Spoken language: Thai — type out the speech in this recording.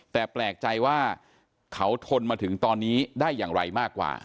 แต่แปลกใจว่าเขาทนมาถึงตอนนี้ได้อย่างไรมากกว่า